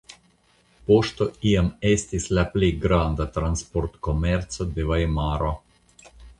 Poŝto iam estis la plej granda transportkomerco de Vajmaro.